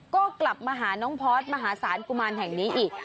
ก็กลับมาหาน้องพอร์ตมหาศาลกุมารแห่งนี้อีก